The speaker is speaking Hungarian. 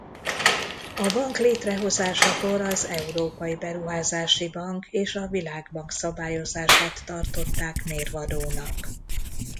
A bank létrehozásakor az Európai Beruházási Bank és a Világbank szabályozását tartották mérvadónak.